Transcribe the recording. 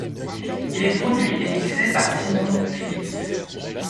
Il est produit et mixé par Simon Phillips.